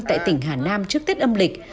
tại tỉnh hà nam trước tết âm lịch